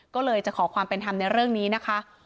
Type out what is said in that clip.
ก็เลยจะขอความเป็นธรรมในเรื่องนี้นะคะ